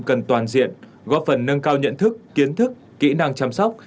cần toàn diện góp phần nâng cao nhận thức kiến thức kỹ năng chăm sóc